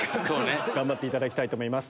頑張っていただきたいと思います。